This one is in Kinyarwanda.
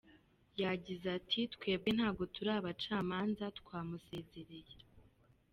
Yagize ati “Twebwe ntabwo turi abacamanza, twamusezereye.